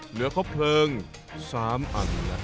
เหลือครบเพลิง๓อัน